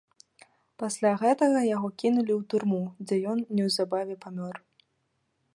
Пасля гэтага яго кінулі ў турму, дзе ён неўзабаве памёр.